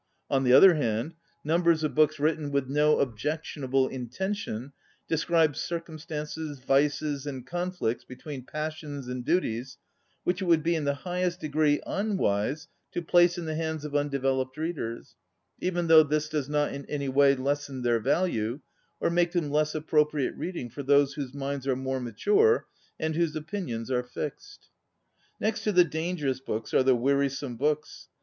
On the other hand, numbers of books written with no objectionable intention de scribe circumstances, vices, and con flicts between passions and duties which it would be in the highest de gree unwise to place in the hands of undeveloped readers, even though this does not in any way lessen their value or make them less appropri ate reading for those whose minds are more mature and whose opin ions are fixed. Next to the dangerous books are the wearisome books.